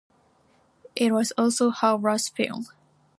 It was also her last film.